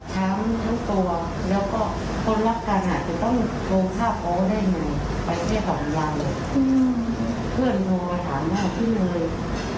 พ่อพูดได้นั่วเพื่อนโทรมาถามหน้าพี่เนยทำงิดได้มั้ยลืมเถอะตามแม่ล่ะ